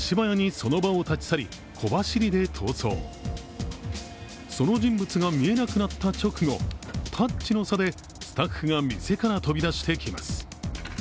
その人物が見えなくなった直後、タッチの差で、スタッフが店から飛び出してきます。